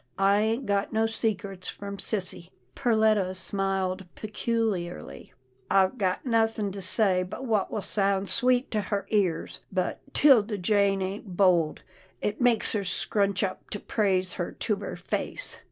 I ain't got no secrets from sissy." Perletta smiled peculiarly. " I've gut nothin' to say, but what will sound sweet to her ears, but PERLETTA MAKES AN EXPLANATION 297 'Tilda Jane ain't bold. It makes her scrunch up to praise her to her face."